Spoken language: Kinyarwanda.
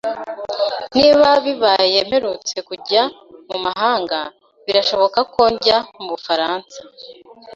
Niba bibaye mperutse kujya mu mahanga, birashoboka ko njya mu Bufaransa.